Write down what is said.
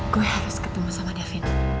gue harus ketemu sama david